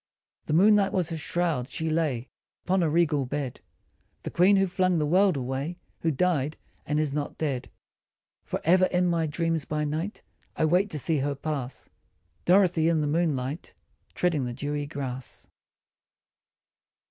The moonlight was her shroud, she lay Upon a regal bed The Queen who flung the world away, Who died and is not dead. For ever in my dreams by night I wait to see her pass Dorothy in the moonlight Treading the dewy grass.